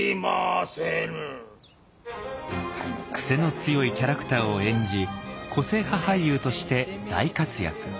癖の強いキャラクターを演じ個性派俳優として大活躍。